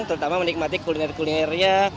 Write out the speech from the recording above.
terutama menikmati kuliner kulinernya